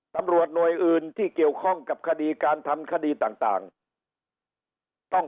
ตำรวจหน่วยอื่นที่เกี่ยวข้องกับคดีการทำคดีต่างต้อง